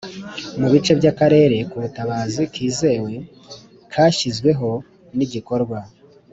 Mu bice by akarere k ubutabazi kizewe kashyizweho n igikorwa